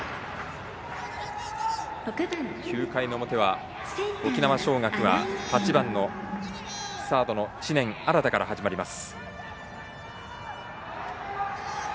９回の表は沖縄尚学は８番のサードの知念新から始まります。